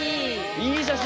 いい写真！